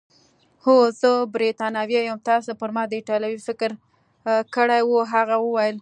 هو، زه بریتانوی یم، تاسي پر ما د ایټالوي فکر کړی وو؟ هغه وویل.